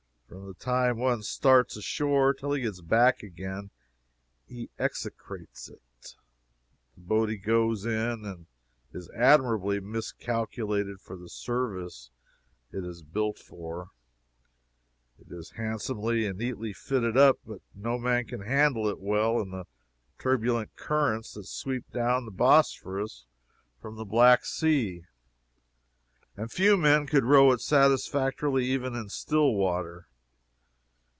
From the time one starts ashore till he gets back again, he execrates it. The boat he goes in is admirably miscalculated for the service it is built for. It is handsomely and neatly fitted up, but no man could handle it well in the turbulent currents that sweep down the Bosporus from the Black Sea, and few men could row it satisfactorily even in still water.